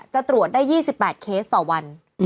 จะตรวจได้๒๘เคสต่อวัน